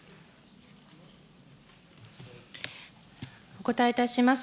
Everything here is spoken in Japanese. お答えいたします。